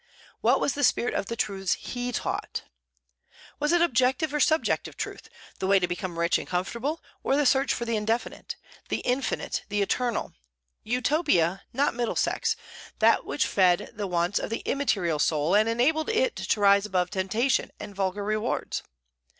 What was the spirit of the truths he taught? Was it objective or subjective truth; the way to become rich and comfortable, or the search for the indefinite, the infinite, the eternal, Utopia, not Middlesex, that which fed the wants of the immaterial soul, and enabled it to rise above temptation and vulgar rewards?